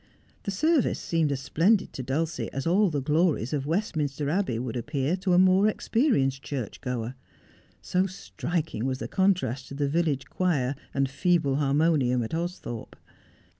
The service seemed as splendid to Dulcie as all the glories of Westminster Abbey would appear to a more experienced church goer : so striking was the contrast to the village choir and feeble harmonium at Austhorpe.